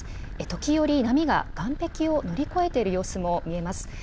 時折、波が岸壁を乗り越えている様子も見えます。